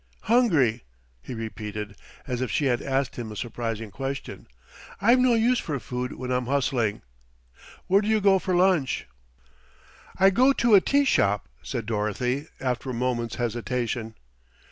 "Hungry!" he repeated as if she had asked him a surprising question. "I've no use for food when I'm hustling. Where do you go for lunch?" "I go to a tea shop," said Dorothy after a moment's hesitation.